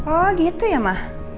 oh gitu ya ma